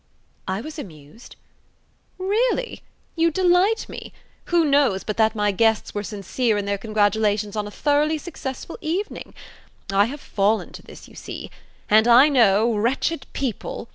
"I was amused." "Really? You delight me. Who knows but that my guests were sincere in their congratulations on a thoroughly successful evening? I have fallen to this, you see! And I know, wretched people!